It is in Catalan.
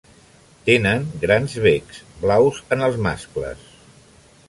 Tenen grans becs, blaus en els mascles.